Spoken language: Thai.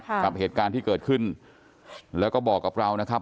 กับเหตุการณ์ที่เกิดขึ้นแล้วก็บอกกับเรานะครับ